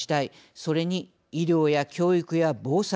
それに医療や教育や防災。